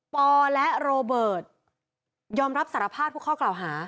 ปอและโรเบิร์ตยอมรับสารภาพทุกข้อกล่าวหา